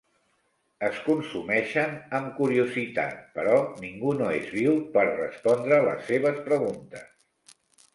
Es consumeixen amb curiositat, però ningú no és viu per respondre les seves preguntes.